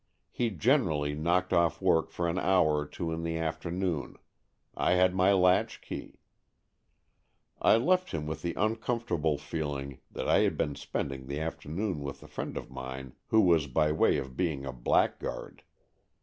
He generally knocked off work for an hour or two in the afternoon. I had my latchkey. I left him with the uncomfortable feeling that I had been spending the afternoon with a friend of mine who was by way of being a blackguard.